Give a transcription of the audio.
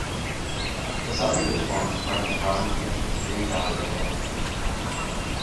The suburb was formed as part of the Housing Commission's Green Valley development.